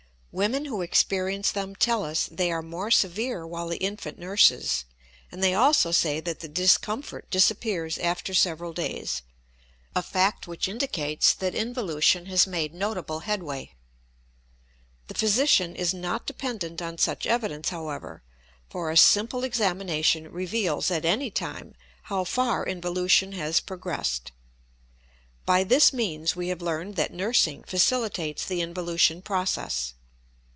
Women who experience them tell us they are more severe while the infant nurses; and they also say that the discomfort disappears after several days, a fact which indicates that involution has made notable headway. The physician is not dependent on such evidence, however; for a simple examination reveals at any time how far involution has progressed. By this means we have learned that nursing facilitates the involution process.